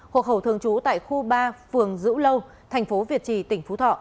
hộp hầu thường trú tại khu ba phường dữ lâu tp việt trì tp hcm